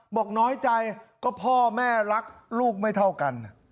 บอกน้อยใจก็พ่อแม่รักลูกไม่เท่ากัน